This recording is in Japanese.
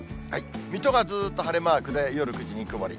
水戸がずっと晴れマークで、夜９時に曇り。